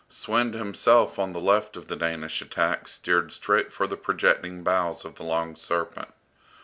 Svend himself on the left of the Danish attack steered straight for the projecting bows of the "Long Serpent."